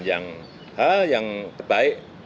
jangan kemudian menyentuh wajah sebelum cuci tangan